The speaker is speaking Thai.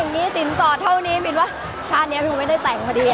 มันเป็นเรื่องน่ารักที่เวลาเจอกันเราต้องแซวอะไรอย่างเงี้ย